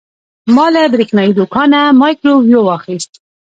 ما له برېښنايي دوکانه مایکروویو واخیست.